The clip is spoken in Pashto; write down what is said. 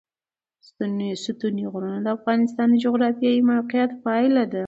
ستوني غرونه د افغانستان د جغرافیایي موقیعت پایله ده.